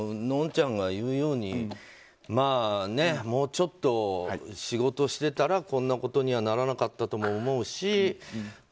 のんちゃんが言うようにもうちょっと仕事してたらこんなことにはならなかったとも思うし。